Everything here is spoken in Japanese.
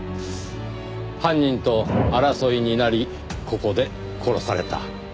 犯人と争いになりここで殺された。